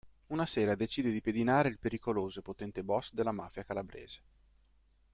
Una sera decide di pedinare il pericoloso e potente boss della mafia Calabrese.